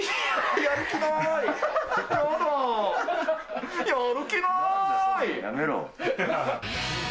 やめろ。